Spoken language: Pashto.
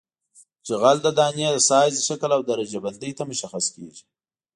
جغل د دانې سایز شکل او درجه بندۍ ته مشخص کیږي